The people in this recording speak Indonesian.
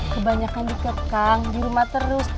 kebanyakan dikekang di rumah terus